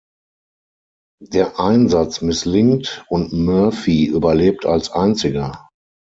Der Einsatz misslingt und Murphy überlebt als Einziger.